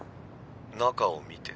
中を見て。